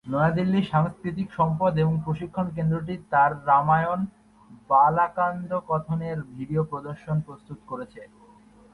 নয়াদিল্লির সাংস্কৃতিক সম্পদ এবং প্রশিক্ষণ কেন্দ্রটি তার রামায়ণ-বালাকান্দাথনের ভিডিও প্রদর্শন প্রস্তুত করেছে।